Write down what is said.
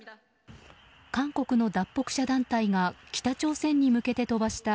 韓国の脱北者団体が北朝鮮に向けて飛ばした